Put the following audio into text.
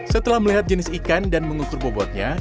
setelah melihat jenis ikan dan mengukur bobotnya